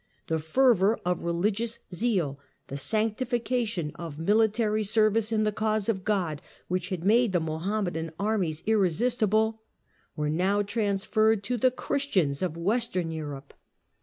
The fervour of religious zeal, the sanctification of military service in the cause of God, which had made the Mohammedan armies irresis tible, were now transferred to the Christians of Western Europe.